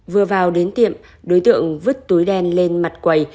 vừa vào đến tiệm đối tượng vứt túi đen lên mặt quầy